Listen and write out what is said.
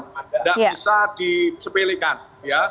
tidak bisa disebelikan ya